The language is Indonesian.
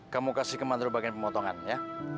kamu kasih kemandro bagian pemotongan ya